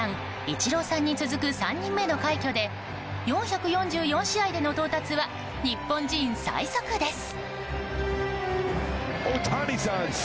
イチローさんに続く３人目の快挙で４４４試合での到達は日本人最速です。